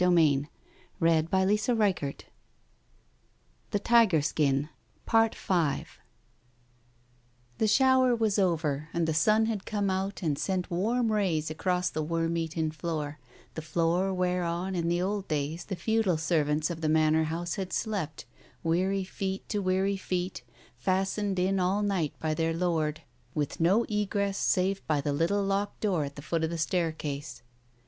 Digitized by Google 3 oo TALES OF THE UNEASY The shower was over, and the sun had come out, and sent warm rays across the worm eaten floor, the floor whereon in the old days the feudal servants of the manor house had slept, weary feet to weary feet, fastened in all night by their lord, with no egress save by the little locked door at the foot of the staircase.